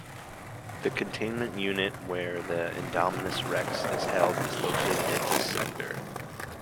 The containment unit where the "Indominus Rex" is held is located in this sector.